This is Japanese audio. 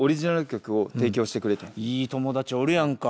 いい友達おるやんか。